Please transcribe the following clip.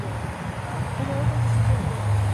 Casado con Cecilia Coll.